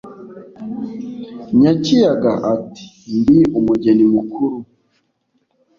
Nyakiyaga ati:Ndi umugeni mukuru,